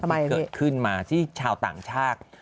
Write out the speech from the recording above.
ที่เกิดขึ้นมาที่ชาวต่างชาติ